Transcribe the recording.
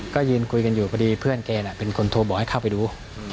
ก็ยืนคุยกันอยู่พอดีเพื่อนแกเป็นคนโทรบอกให้เข้าไปดู